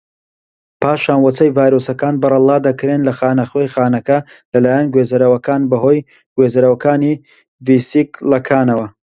پاشان وەچەی ڤایرۆسەکان بەرەڵا دەکرێن لە خانەخوێی خانەکە لەلایەن گوێزەرەوەکان بەهۆی گوێزەرەوەکانی ڤیسیکڵەکانەوە.